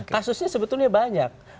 kasusnya sebetulnya banyak